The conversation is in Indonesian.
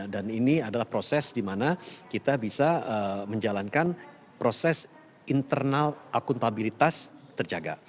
dan ini adalah proses dimana kita bisa menjalankan proses internal akuntabilitas terjaga